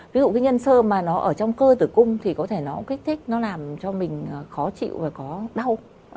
ví dụ cái nhân sơ mà nó ở trong cơ tử cung thì có thể nó kích thích nó làm cho mình khó chịu và có đau